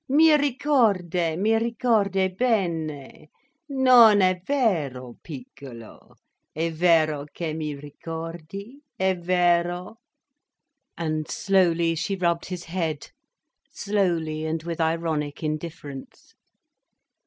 Mi ricordi, mi ricordi bene—non è vero, piccolo? È vero che mi ricordi? È vero?_" And slowly she rubbed his head, slowly and with ironic indifference.